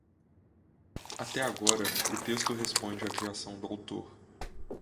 Até agora, o texto responde à criação do autor.